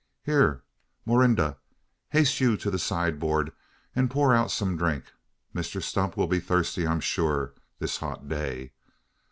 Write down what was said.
Here, Morinda! Haste you to the sideboard, and pour out some drink. Mr Stump will be thirsty, I'm sure, this hot day.